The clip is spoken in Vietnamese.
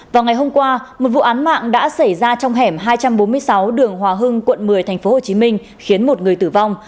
vào ngày hôm qua một vụ án mạng đã xảy ra trong hẻm hai trăm bốn mươi sáu đường hòa hưng quận một mươi tp hcm khiến một người tử vong